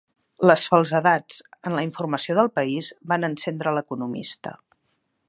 Les falsedats en la informació d'El País van encendre l'economista